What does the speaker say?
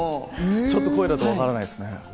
ちょっと声だとわからないですね。